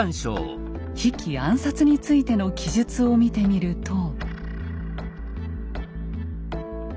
比企暗殺についての記述を見てみると。